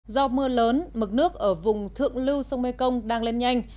do mưa lớn mực nước ở vùng thượng lưu sông mekong đang lên nhanh